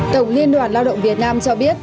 tổng liên đoàn lao động việt nam cho biết